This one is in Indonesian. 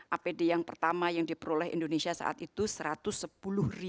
apd yang pertama yang diperoleh indonesia saat itu rp satu ratus sepuluh